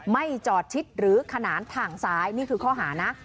ไม่จอดชิดหรือขนานถ่างซ้ายนี่คือข้อหานะ